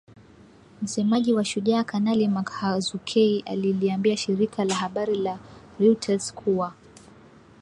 Msemaji wa Shujaa, Kanali Mak Hazukay aliliambia shirika la habari la reuters kuwa.